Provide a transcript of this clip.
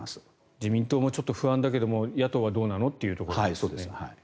自民党も不安だけど野党はどうなのというところですね。